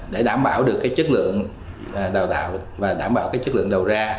để đảm bảo được cái chất lượng đào tạo và đảm bảo cái chất lượng đầu ra